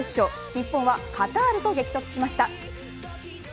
日本はカタールと激突しました。